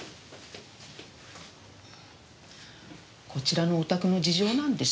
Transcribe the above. こちらのお宅の事情なんですよ。